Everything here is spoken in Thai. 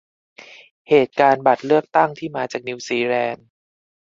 เหตุการณ์บัตรเลือกตั้งที่มาจากนิวซีแลนต์